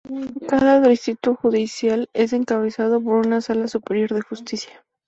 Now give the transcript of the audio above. Cada distrito judicial es encabezado por una Sala Superior de Justicia.